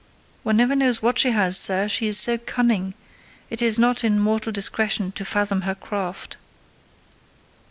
"One never knows what she has, sir: she is so cunning: it is not in mortal discretion to fathom her craft."